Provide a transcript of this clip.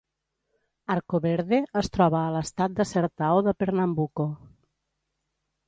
Arcoverde es troba a l'estat de Sertao de Pernambuco.